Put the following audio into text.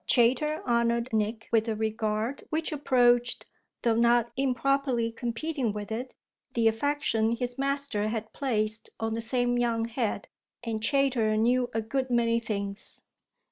Chayter honoured Nick with a regard which approached, though not improperly competing with it, the affection his master had placed on the same young head, and Chayter knew a good many things.